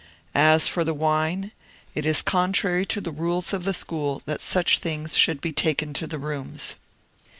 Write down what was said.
^^ As for the wine, it is contrary to the rules of the school that such things should be taken to the rooms.